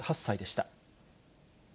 ８８歳でした。